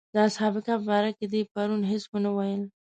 د اصحاب کهف باره کې دې پرون هېڅ ونه ویل.